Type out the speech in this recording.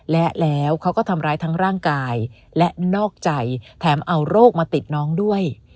และแล้วเขาก็ทำร้ายทั้งร่างกายและนอกใจแถมเอาโรคมาติดน้องด้วย